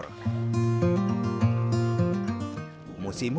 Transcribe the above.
pesan yang dikupas kemudian dijemur